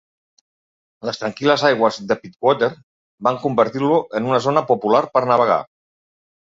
Les tranquil·les aigües de Pittwater van convertir-lo en una zona popular per navegar.